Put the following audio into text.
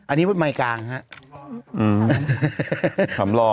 อันนี้รถไมค์กลางครับ